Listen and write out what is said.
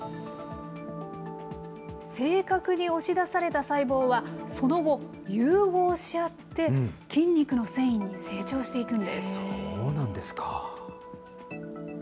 正確に押し出された細胞は、その後、融合し合って筋肉の繊維に成長していくんです。